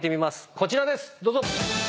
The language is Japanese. こちらですどうぞ。